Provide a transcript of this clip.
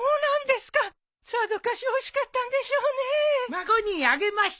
孫にあげました。